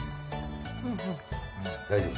大丈夫？